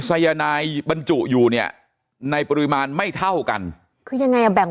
สายนายบรรจุอยู่เนี่ยในปริมาณไม่เท่ากันคือยังไงอ่ะแบ่ง